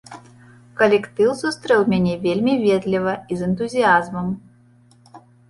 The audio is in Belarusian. Калектыў сустрэў мяне вельмі ветліва і з энтузіязмам.